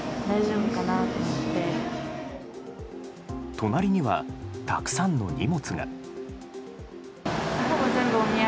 隣には、たくさんの荷物が。